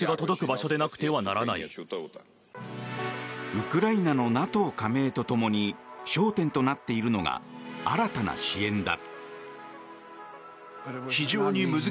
ウクライナのＮＡＴＯ加盟とともに焦点となっているのが新たな支援だ。